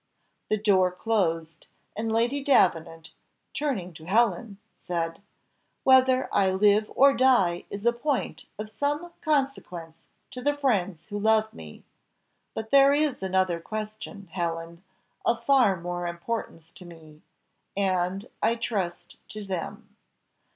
The door closed: and Lady Davenant, turning to Helen, said, "Whether I live or die is a point of some consequence to the friends who love me; but there is another question, Helen, of far more importance to me, and, I trust, to them.